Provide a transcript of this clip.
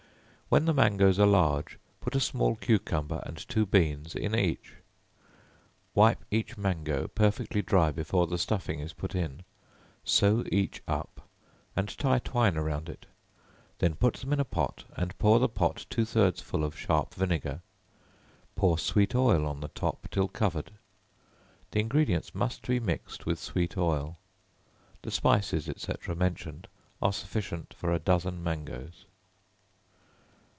When the mangoes are large, put a small cucumber, and two beans in each. Wipe each mango perfectly dry before the stuffing is put in; sew each up, and tie twine around it; then put them in a pot, and pour the pot two thirds full of sharp vinegar; pour sweet oil on the top till covered. The ingredients must be mixed with sweet oil. The spices, &c. mentioned, are sufficient for a dozen mangoes.